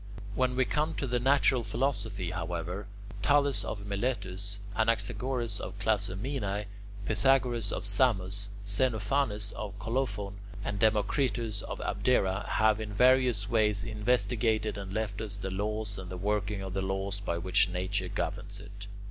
When we come to natural philosophy, however, Thales of Miletus, Anaxagoras of Clazomenae, Pythagoras of Samos, Xenophanes of Colophon, and Democritus of Abdera have in various ways investigated and left us the laws and the working of the laws by which nature governs it.